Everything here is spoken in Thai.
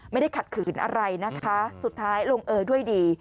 ไม่ได้ขัดขืนอะไรนะคะสุดท้ายลงเออด้วยดี